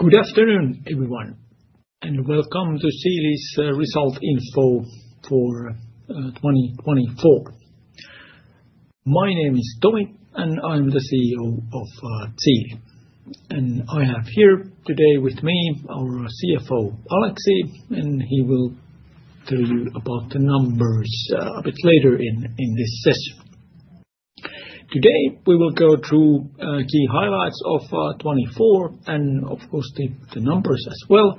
Good afternoon, everyone, and Welcome to Siili's Result Info for 2024. My name is Tomi, and I'm the CEO of Siili. I have here today with me our CFO, Aleksi, and he will tell you about the numbers a bit later in this session. Today, we will go through key highlights of 2024, and of course, the numbers as well,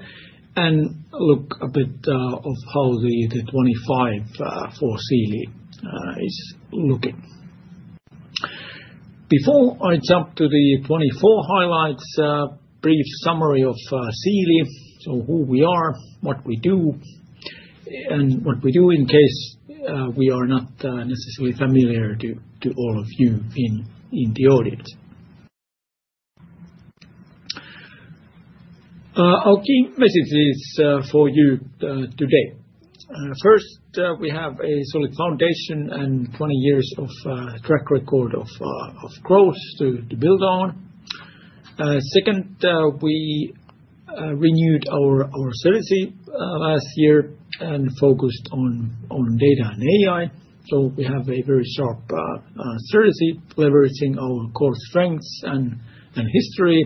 and look a bit at how the 2025 for Siili is looking. Before I jump to the 2024 highlights, a brief summary of Siili, so who we are, what we do, and what we do in case we are not necessarily familiar to all of you in the audience. Our key messages for you today. First, we have a solid foundation and 20 years of track record of growth to build on. Second, we renewed our strategy last year and focused on data and AI, so we have a very sharp strategy leveraging our core strengths and history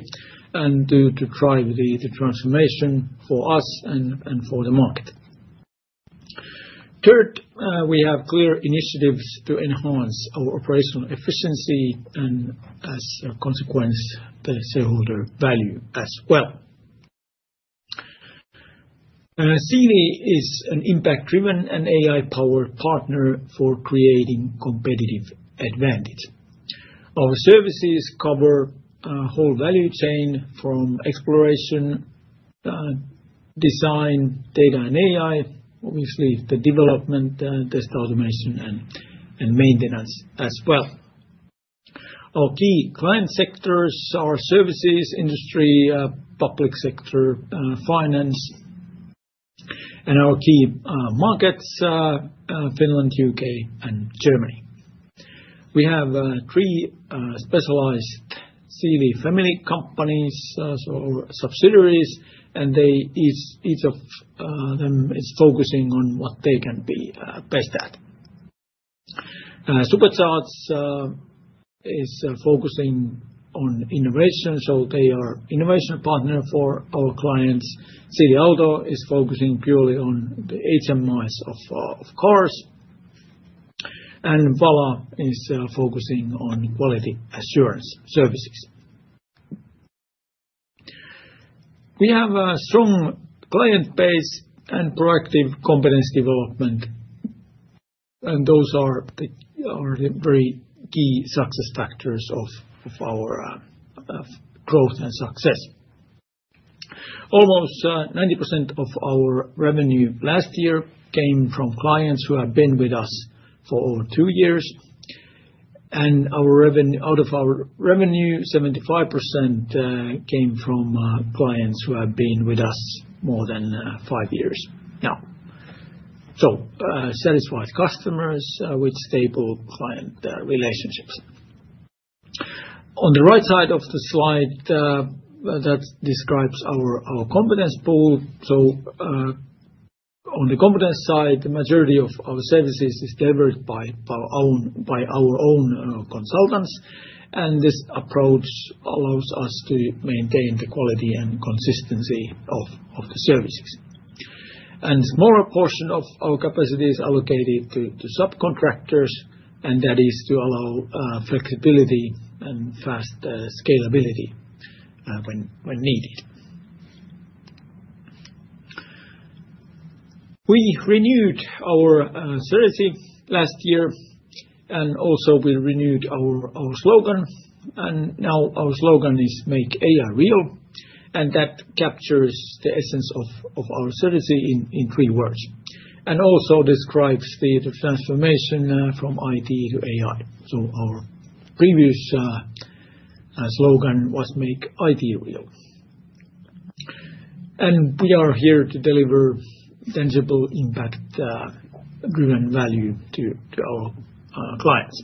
to drive the transformation for us and for the market. Third, we have clear initiatives to enhance our operational efficiency and, as a consequence, the shareholder value as well. Siili is an impact-driven and AI-powered partner for creating competitive advantage. Our services cover a whole value chain from exploration, design, data, and AI, obviously the development, test automation, and maintenance as well. Our key client sectors are services, industry, public sector, finance, and our key markets: Finland, U.K., and Germany. We have three specialized Siili family companies, so subsidiaries, and each of them is focusing on what they can be best at. Supercharts is focusing on innovation, so they are an innovation partner for our clients. Siili Auto is focusing purely on the HMIs of cars, and Vala is focusing on quality assurance services. We have a strong client base and proactive competence development, and those are the very key success factors of our growth and success. Almost 90% of our revenue last year came from clients who have been with us for over two years, and out of our revenue, 75% came from clients who have been with us more than five years now. Satisfied customers with stable client relationships. On the right side of the slide, that describes our competence pool. On the competence side, the majority of our services is delivered by our own consultants, and this approach allows us to maintain the quality and consistency of the services. A smaller portion of our capacity is allocated to subcontractors, and that is to allow flexibility and fast scalability when needed. We renewed our strategy last year, and also we renewed our slogan, and now our slogan is "Make AI Real," and that captures the essence of our strategy in three words, and also describes the transformation from IT to AI. Our previous slogan was "Make IT Real." We are here to deliver tangible impact-driven value to our clients.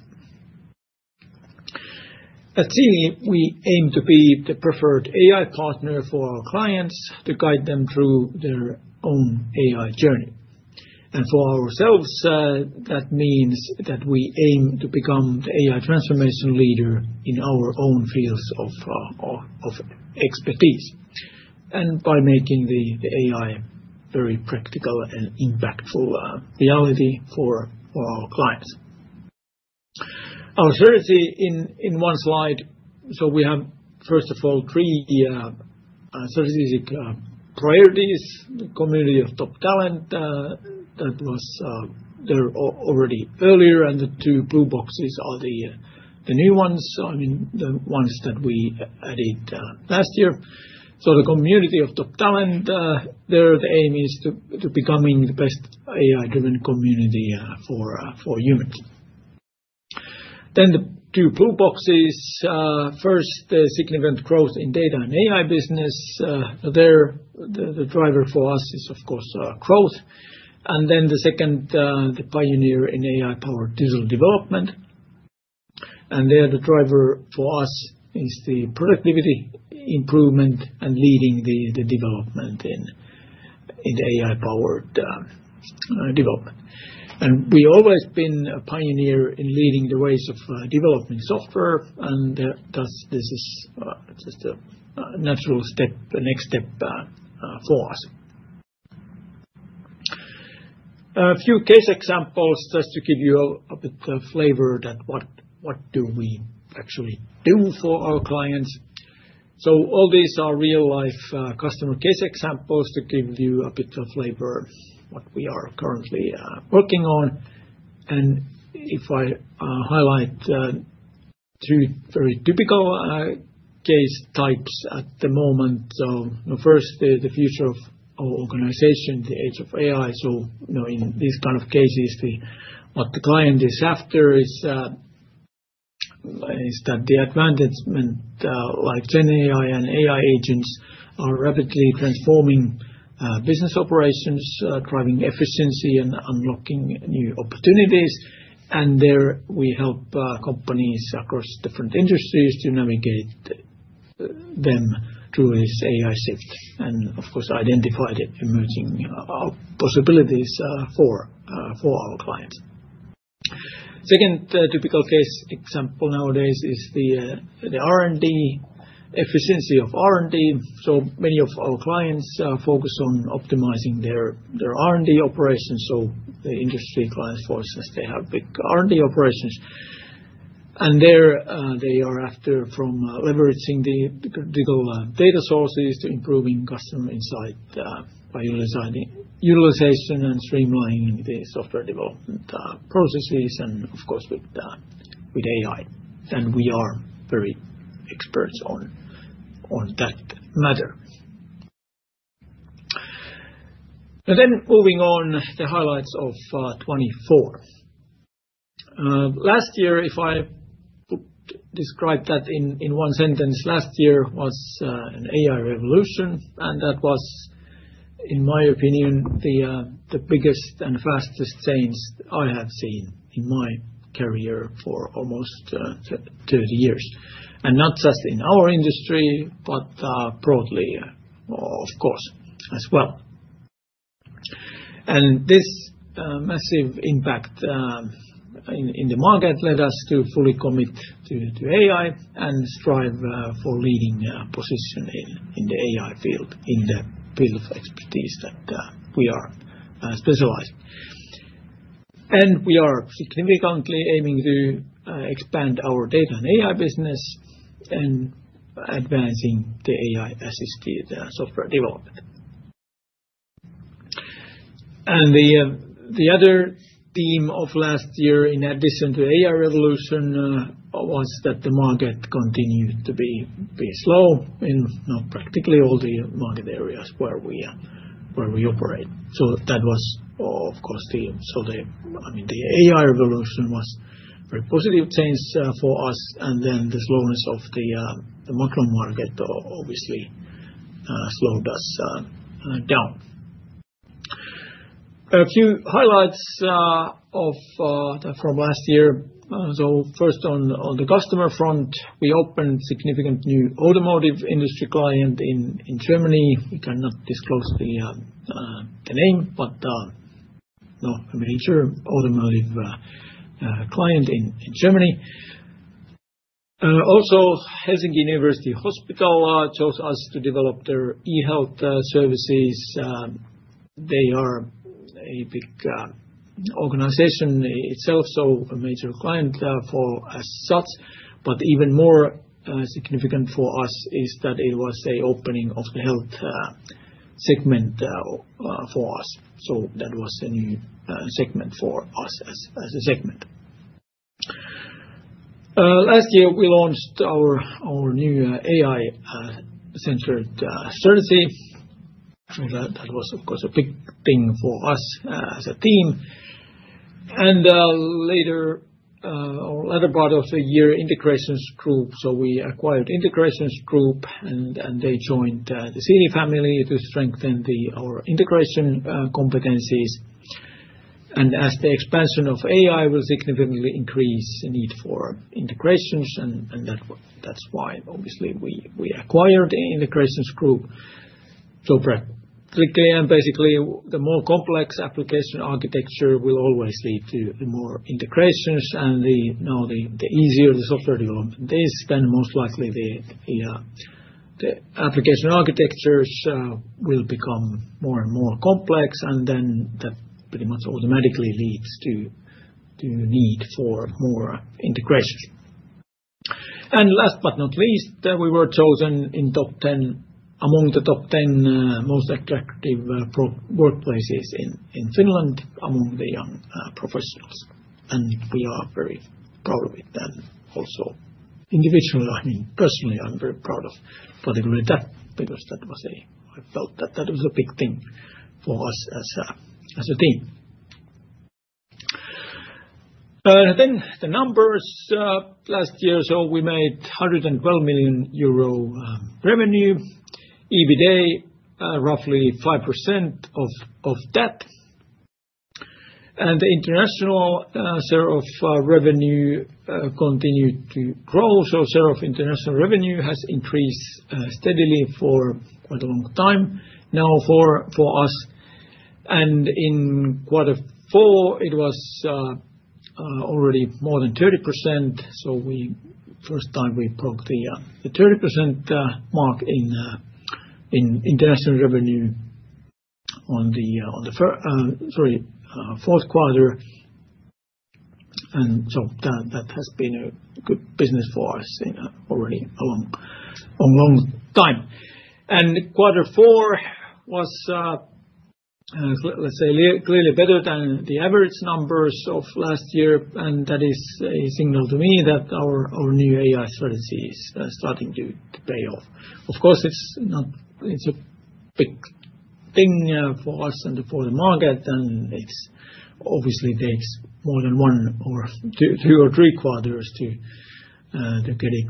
At Siili, we aim to be the preferred AI partner for our clients to guide them through their own AI journey. For ourselves, that means that we aim to become the AI transformation leader in our own fields of expertise, and by making the AI a very practical and impactful reality for our clients. Our strategy in one slide, we have, first of all, three strategic priorities: the community of top talent that was there already earlier, and the two blue boxes are the new ones, I mean, the ones that we added last year. The community of top talent, there the aim is to become the best AI-driven community for humans. The two blue boxes, first, the significant growth in data and AI business, there the driver for us is, of course, growth, and the second, the pioneer in AI-powered digital development, and there the driver for us is the productivity improvement and leading the development in the AI-powered development. We've always been a pioneer in leading the ways of developing software, and thus this is just a natural step, a next step for us. A few case examples just to give you a bit of flavor that what do we actually do for our clients. All these are real-life customer case examples to give you a bit of flavor what we are currently working on, and if I highlight two very typical case types at the moment. First, the future of our organization, the age of AI, in these kind of cases, what the client is after is that the advancement like GenAI and AI agents are rapidly transforming business operations, driving efficiency and unlocking new opportunities, and there we help companies across different industries to navigate them through this AI shift and, of course, identify the emerging possibilities for our clients. Second typical case example nowadays is the R&D, efficiency of R&D, so many of our clients focus on optimizing their R&D operations, so the industry clients, for instance, they have big R&D operations, and there they are after from leveraging the critical data sources to improving customer insight by utilization and streamlining the software development processes and, of course, with AI, and we are very experts on that matter. Moving on, the highlights of 2024. Last year, if I describe that in one sentence, last year was an AI revolution, and that was, in my opinion, the biggest and fastest change I have seen in my career for almost 30 years, and not just in our industry, but broadly, of course, as well. This massive impact in the market led us to fully commit to AI and strive for a leading position in the AI field, in the field of expertise that we are specialized in. We are significantly aiming to expand our data and AI business and advancing the AI-assisted software development. The other theme of last year in addition to the AI revolution was that the market continued to be slow in practically all the market areas where we operate. That was, of course, the, I mean, the AI revolution was a very positive change for us, and then the slowness of the macro market obviously slowed us down. A few highlights from last year, first on the customer front, we opened a significant new automotive industry client in Germany. We cannot disclose the name, but a major automotive client in Germany. Also, Helsinki University Hospital chose us to develop their e-health services. They are a big organization itself, so a major client for us. Even more significant for us is that it was the opening of the health segment for us. That was a new segment for us as a segment. Last year, we launched our new AI-centered strategy. That was, of course, a big thing for us as a team. Later, or later part of the year, Integrations Group, so we acquired Integrations Group, and they joined the Siili family to strengthen our integration competencies. As the expansion of AI will significantly increase the need for integrations, and that is why obviously we acquired the Integrations Group. Practically and basically, the more complex application architecture will always lead to more integrations, and the easier the software development is, then most likely the application architectures will become more and more complex, and that pretty much automatically leads to the need for more integrations. Last but not least, we were chosen among the top 10 most attractive workplaces in Finland among the young professionals, and we are very proud of it. Also individually, I mean, personally, I'm very proud of particularly that because I felt that that was a big thing for us as a team. The numbers last year, we made 112 million euro revenue, EBITDA roughly 5% of that, and the international share of revenue continued to grow, so share of international revenue has increased steadily for quite a long time now for us. In quarter four, it was already more than 30%, so the first time we broke the 30% mark in international revenue on the, sorry, fourth quarter. That has been a good business for us already a long, long, long time. Quarter four was, let's say, clearly better than the average numbers of last year, and that is a signal to me that our new AI strategy is starting to pay off. Of course, it's a big thing for us and for the market, and it obviously takes more than one or two or three quarters to get it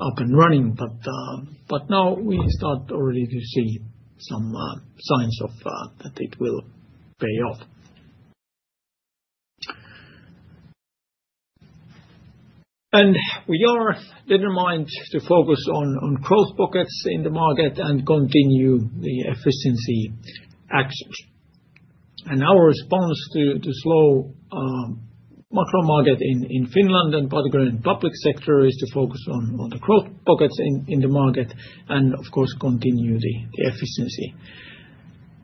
up and running, but now we start already to see some signs that it will pay off. We are determined to focus on growth pockets in the market and continue the efficiency actions. Our response to the slow macro market in Finland and particularly in the public sector is to focus on the growth pockets in the market and, of course, continue the efficiency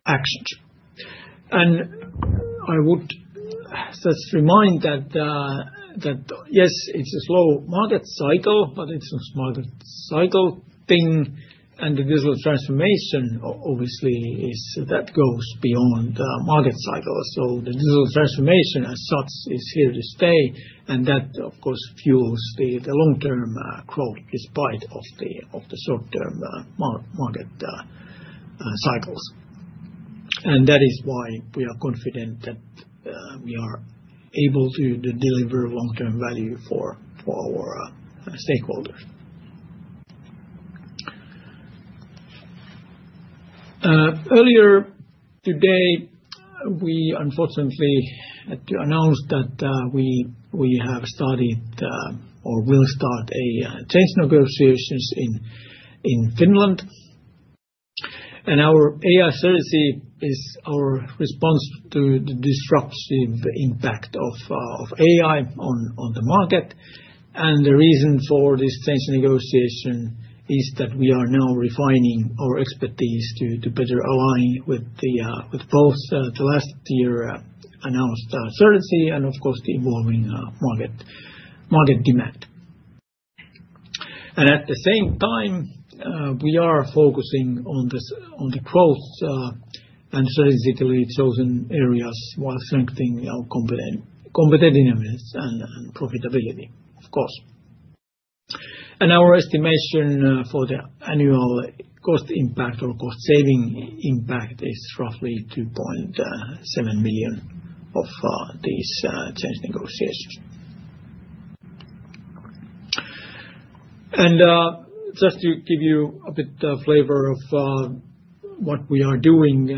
actions. I would just remind that, yes, it's a slow market cycle, but it's a market cycle thing, and the digital transformation obviously is that goes beyond market cycles. The digital transformation as such is here to stay, and that, of course, fuels the long-term growth despite the short-term market cycles. That is why we are confident that we are able to deliver long-term value for our stakeholders. Earlier today, we unfortunately had to announce that we have started or will start change negotiations in Finland, and our AI strategy is our response to the disruptive impact of AI on the market. The reason for this change negotiation is that we are now refining our expertise to better align with both the last year announced strategy and, of course, the evolving market demand. At the same time, we are focusing on the growth and strategically chosen areas while strengthening our competitiveness and profitability, of course. Our estimation for the annual cost impact or cost saving impact is roughly 2.7 million of these change negotiations. Just to give you a bit of flavor of what we are doing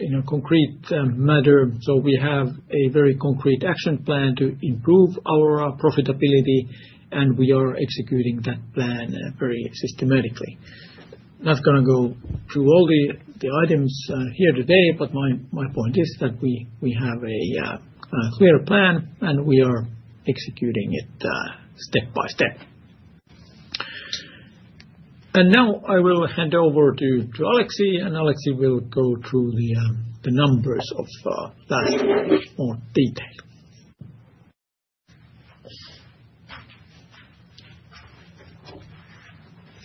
in a concrete matter, we have a very concrete action plan to improve our profitability, and we are executing that plan very systematically. Not going to go through all the items here today, but my point is that we have a clear plan, and we are executing it step by step. Now I will hand over to Aleksi, and Aleksi will go through the numbers of last year in more detail.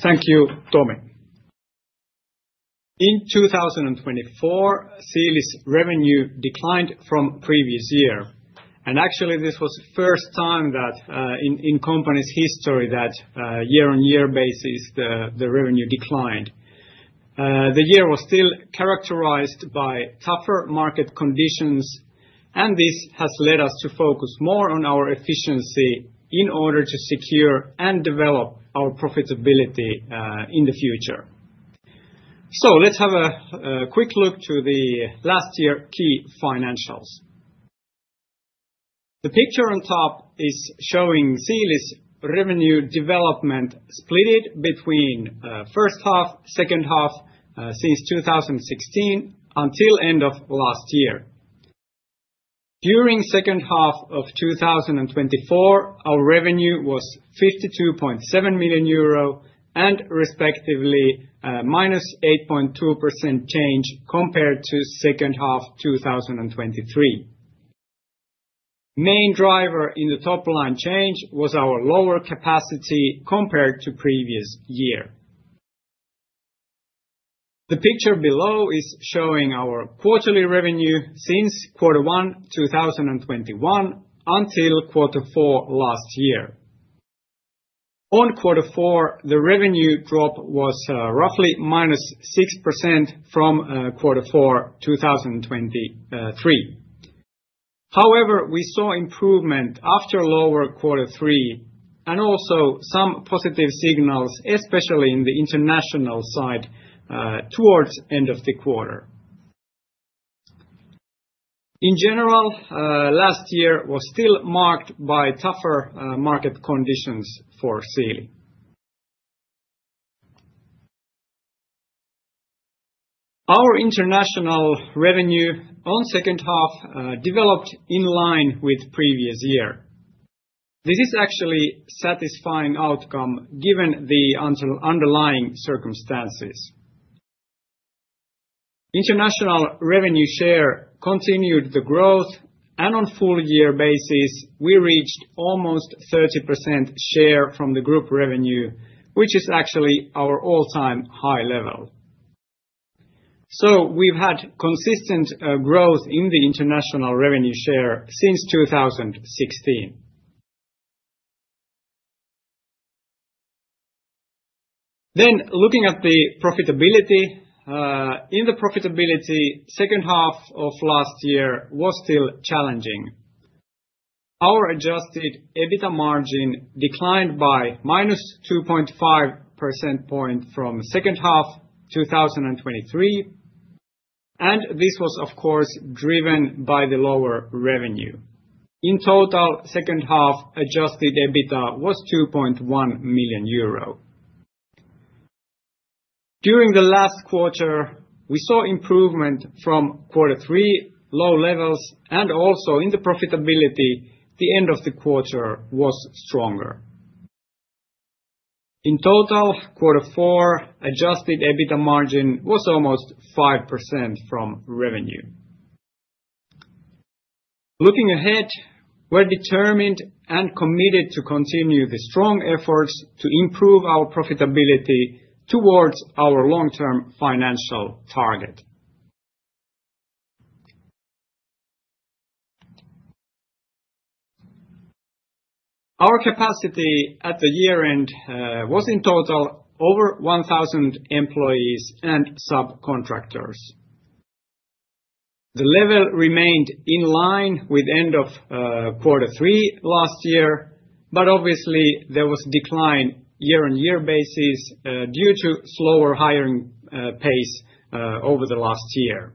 Thank you, Tomi. In 2024, Siili's revenue declined from the previous year, and actually this was the first time in the company's history that on a year-on-year basis the revenue declined. The year was still characterized by tougher market conditions, and this has led us to focus more on our efficiency in order to secure and develop our profitability in the future. Let's have a quick look to last year's key financials. The picture on top is showing Siili's revenue development split between first half, second half since 2016 until the end of last year. During the second half of 2024, our revenue was 52.7 million euro and respectively -8.2% change compared to the second half of 2023. The main driver in the top line change was our lower capacity compared to the previous year. The picture below is showing our quarterly revenue since quarter one 2021 until quarter four last year. On quarter four, the revenue drop was roughly -6% from quarter four 2023. However, we saw improvement after lower quarter three and also some positive signals, especially on the international side towards the end of the quarter. In general, last year was still marked by tougher market conditions for Siili. Our international revenue on the second half developed in line with the previous year. This is actually a satisfying outcome given the underlying circumstances. International revenue share continued the growth, and on a full-year basis, we reached almost 30% share from the group revenue, which is actually our all-time high level. We've had consistent growth in the international revenue share since 2016. Looking at the profitability, in the profitability, the second half of last year was still challenging. Our adjusted EBITDA margin declined by minus 2.5 percentage points from the second half of 2023, and this was, of course, driven by the lower revenue. In total, the second half adjusted EBITDA was 2.1 million euro. During the last quarter, we saw improvement from quarter three, low levels, and also in the profitability, the end of the quarter was stronger. In total, quarter four adjusted EBITDA margin was almost 5% from revenue. Looking ahead, we're determined and committed to continue the strong efforts to improve our profitability towards our long-term financial target. Our capacity at the year-end was in total over 1,000 employees and subcontractors. The level remained in line with the end of quarter three last year, but obviously there was a decline on a year-on-year basis due to a slower hiring pace over the last year.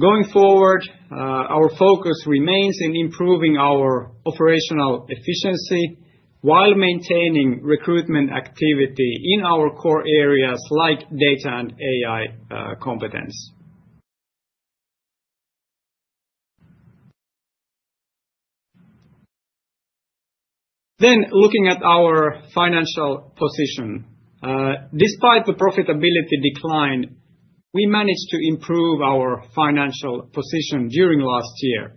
Going forward, our focus remains in improving our operational efficiency while maintaining recruitment activity in our core areas like data and AI competence. Looking at our financial position, despite the profitability decline, we managed to improve our financial position during last year.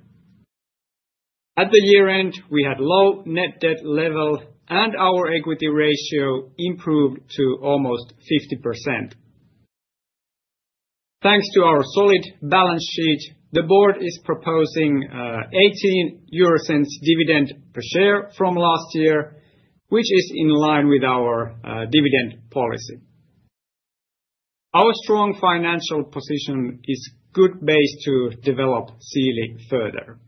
At the year-end, we had a low net debt level, and our equity ratio improved to almost 50%. Thanks to our solid balance sheet, the board is proposing 0.18 dividend per share from last year, which is in line with our dividend policy. Our strong financial position is a good base to develop Siili further.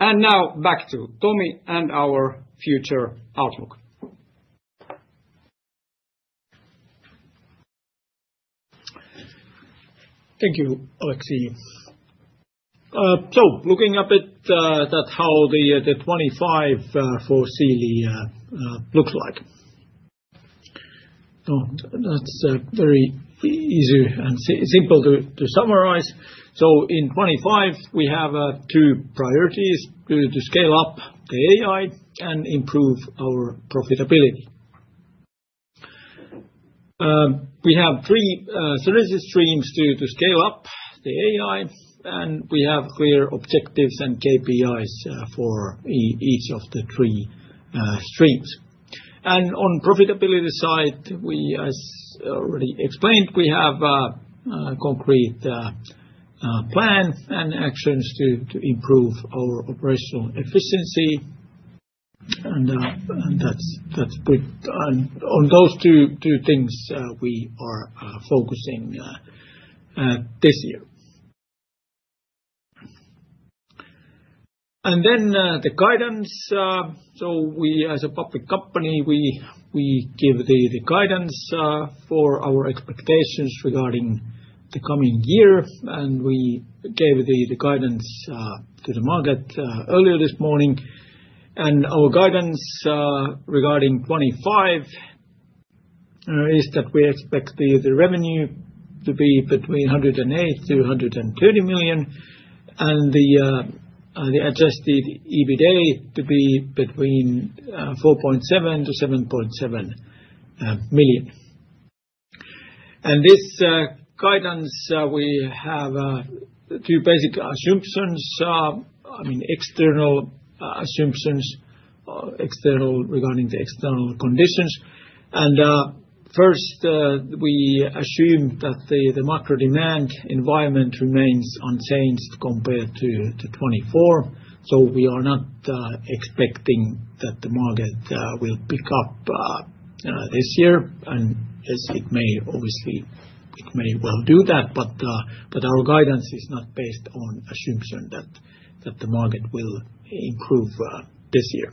Now back to Tomi and our future outlook. Thank you, Aleksi. Looking a bit at how 2025 for Siili looks like. That's very easy and simple to summarize. In 2025, we have two priorities: to scale up the AI and improve our profitability. We have three strategy streams to scale up the AI, and we have clear objectives and KPIs for each of the three streams. On the profitability side, as already explained, we have a concrete plan and actions to improve our operational efficiency, and that's good. On those two things, we are focusing this year. The guidance. We, as a public company, give the guidance for our expectations regarding the coming year, and we gave the guidance to the market earlier this morning. Our guidance regarding 2025 is that we expect the revenue to be between 108 million and 130 million and the adjusted EBITDA to be between 4.7 million and EUR 7.7 million. This guidance, we have two basic assumptions, I mean external assumptions regarding the external conditions. First, we assume that the macro demand environment remains unchanged compared to 2024, so we are not expecting that the market will pick up this year. Yes, it may obviously well do that, but our guidance is not based on the assumption that the market will improve this year.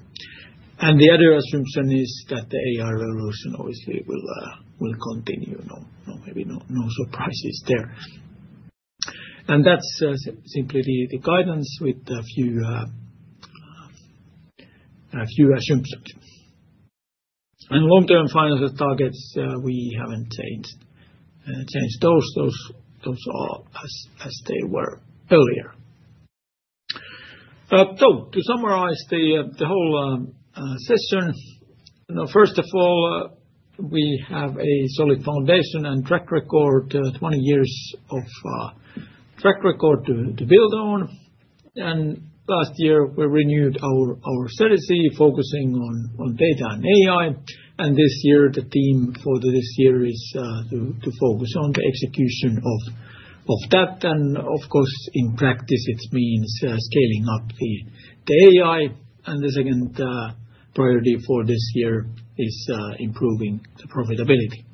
The other assumption is that the AI revolution obviously will continue. No surprises there. That is simply the guidance with a few assumptions. Long-term financial targets, we have not changed those. Those are as they were earlier. To summarize the whole session, first of all, we have a solid foundation and track record, 20 years of track record to build on. Last year, we renewed our strategy focusing on data and AI, and this year, the theme for this year is to focus on the execution of that. Of course, in practice, it means scaling up the AI, and the second priority for this year is improving the profitability.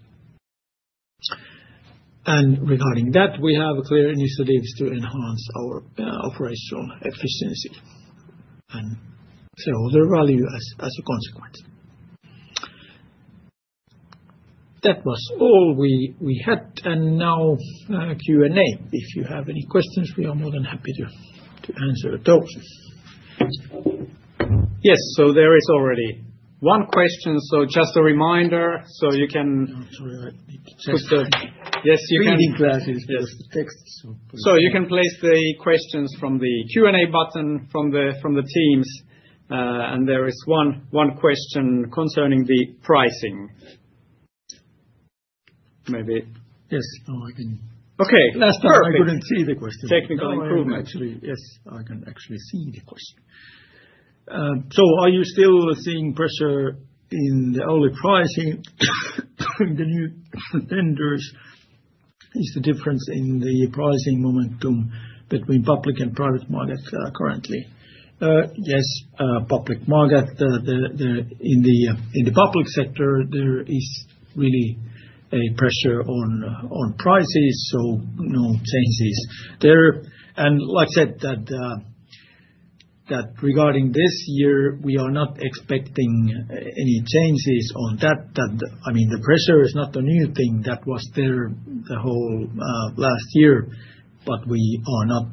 Regarding that, we have clear initiatives to enhance our operational efficiency and sell the value as a consequence. That was all we had, and now Q&A. If you have any questions, we are more than happy to answer those. Yes, there is already one question. Just a reminder, you can—sorry, I need to check. Yes, you can—reading glasses. Yes you can place the questions from the Q&A button from Teams, and there is one question concerning the pricing. Maybe—yes, no, I can—okay, last part. I could not see the question. Technical improvement. Actually, yes, I can actually see the question. Are you still seeing pressure in the early pricing? The new vendors—is the difference in the pricing momentum between public and private market currently? Yes, public market. In the public sector, there is really a pressure on prices, so no changes there. Like I said, regarding this year, we are not expecting any changes on that. I mean, the pressure is not a new thing that was there the whole last year, but we are not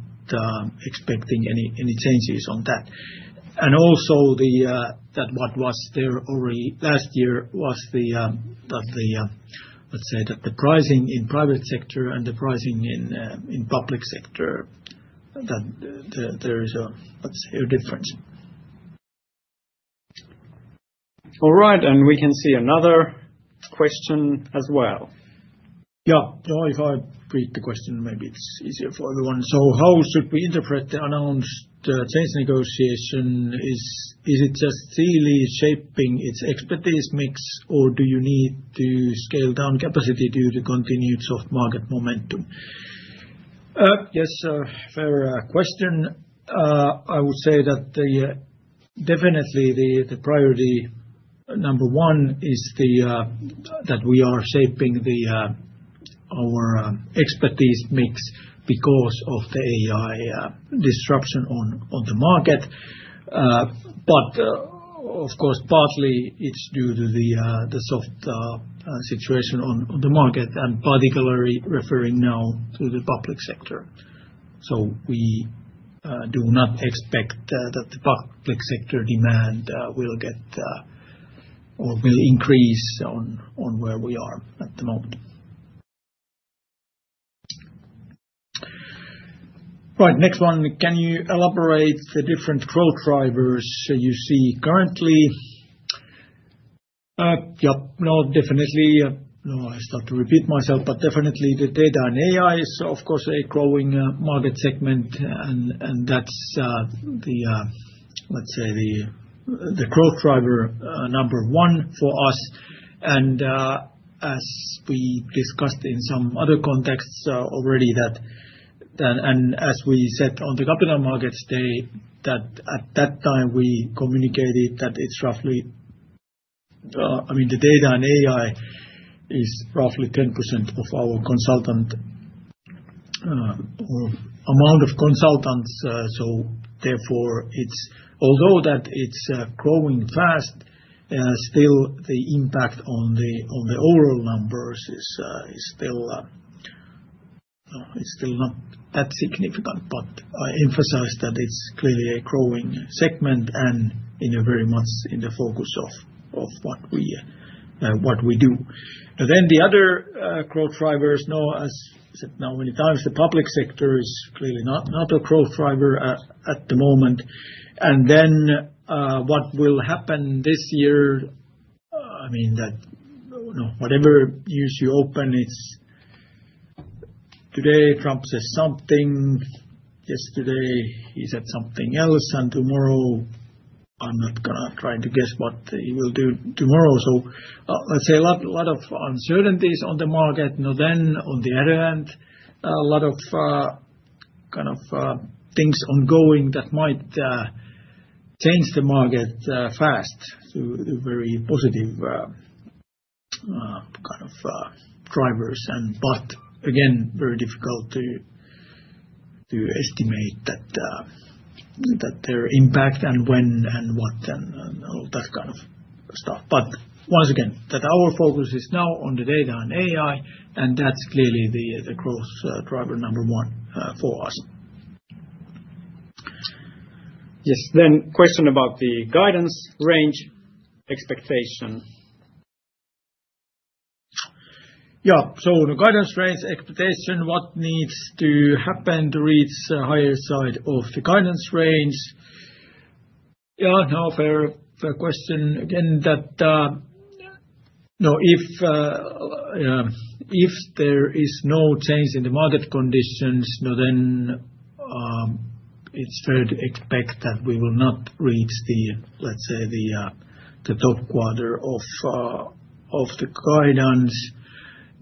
expecting any changes on that. Also, what was there already last year was the—let's say that the pricing in the private sector and the pricing in the public sector, that there is a difference. All right, we can see another question as well. Yeah, if I read the question, maybe it's easier for everyone. How should we interpret the announced change negotiation? Is it just Siili shaping its expertise mix, or do you need to scale down capacity due to continued soft market momentum? Yes, fair question. I would say that definitely the priority number one is that we are shaping our expertise mix because of the AI disruption on the market. Of course, partly it's due to the soft situation on the market, and particularly referring now to the public sector. We do not expect that the public sector demand will get or will increase on where we are at the moment. Right, next one. Can you elaborate on the different growth drivers you see currently? Yeah, no, definitely. I start to repeat myself, but definitely the data and AI is, of course, a growing market segment, and that's, let's say, the growth driver number one for us. As we discussed in some other contexts already, and as we said on the capital markets, at that time we communicated that it's roughly—I mean, the data and AI is roughly 10% of our consultant or amount of consultants. Therefore, although it's growing fast, still the impact on the overall numbers is still not that significant. I emphasize that it's clearly a growing segment and very much in the focus of what we do. The other growth drivers, as I said many times, the public sector is clearly not a growth driver at the moment. What will happen this year? I mean, whatever news you open, it's today Trump says something, yesterday he said something else, and tomorrow I'm not going to try to guess what he will do tomorrow. Let's say a lot of uncertainties on the market. On the other hand, a lot of kind of things ongoing that might change the market fast to very positive kind of drivers. Again, very difficult to estimate their impact and when and what and all that kind of stuff. Once again, our focus is now on the data and AI, and that's clearly the growth driver number one for us. Yes, then question about the guidance range expectation. Yeah, so the guidance range expectation, what needs to happen to reach the higher side of the guidance range? Yeah, now fair question again. If there is no change in the market conditions, then it's fair to expect that we will not reach the, let's say, the top quarter of the guidance.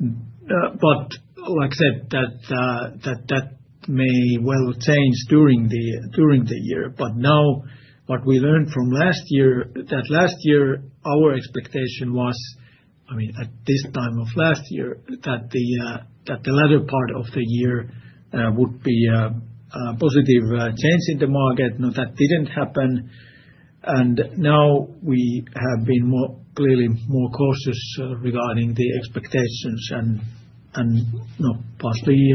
Like I said, that may well change during the year. What we learned from last year, that last year our expectation was, I mean, at this time of last year, that the latter part of the year would be a positive change in the market. That didn't happen. Now we have been clearly more cautious regarding the expectations. Possibly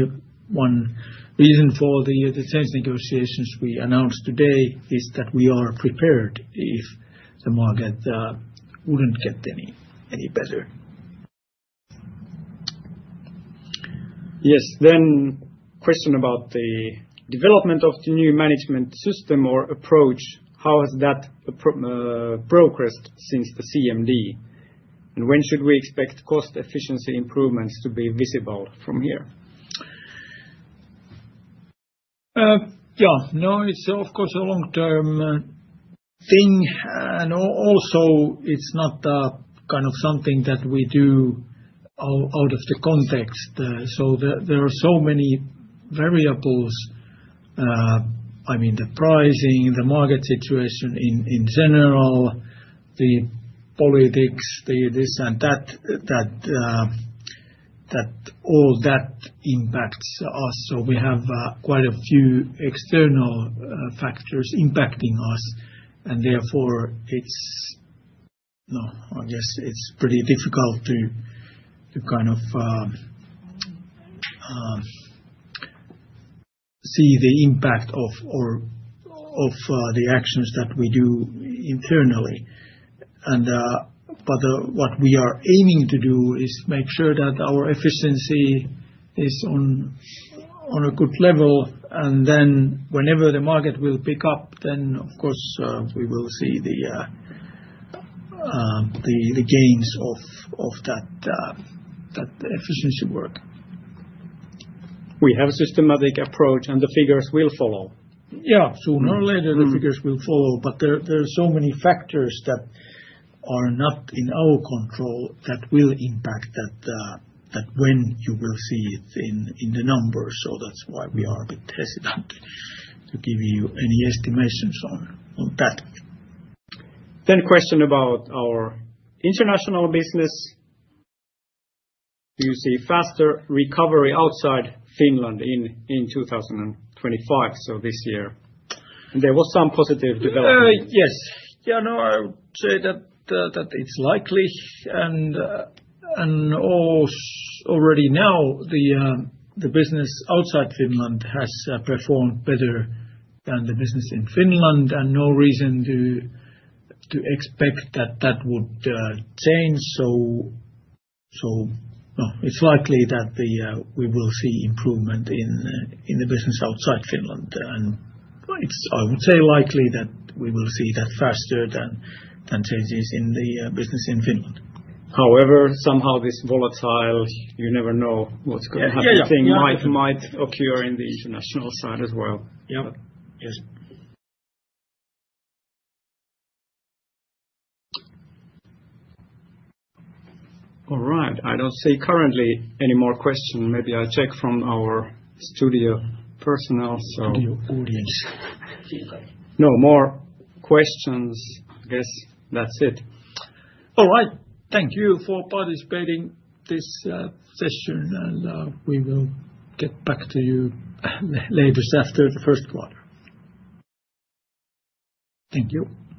one reason for the change negotiations we announced today is that we are prepared if the market wouldn't get any better. Yes, then question about the development of the new management system or approach. How has that progressed since the CMD? And when should we expect cost efficiency improvements to be visible from here? Yeah, no, it's of course a long-term thing. Also, it's not kind of something that we do out of the context. There are so many variables. I mean, the pricing, the market situation in general, the politics, this and that, all that impacts us. We have quite a few external factors impacting us. Therefore, I guess it's pretty difficult to kind of see the impact of the actions that we do internally. What we are aiming to do is make sure that our efficiency is on a good level. Whenever the market will pick up, of course we will see the gains of that efficiency work. We have a systematic approach, and the figures will follow. Yeah, sooner or later the figures will follow. There are so many factors that are not in our control that will impact that when you will see it in the numbers. That is why we are a bit hesitant to give you any estimations on that. Question about our international business. Do you see faster recovery outside Finland in 2025, so this year? There was some positive development. Yes. Yeah, no, I would say that it's likely. Already now the business outside Finland has performed better than the business in Finland. No reason to expect that that would change. It is likely that we will see improvement in the business outside Finland. I would say likely that we will see that faster than changes in the business in Finland. However, somehow this volatile, you never know what's going to happen, thing might occur in the international side as well. Yes. All right. I don't see currently any more questions. Maybe I'll check from our studio personnel. Studio audience. No more questions. I guess that's it. All right. Thank you for participating this session, and we will get back to you later after the first quarter. Thank you.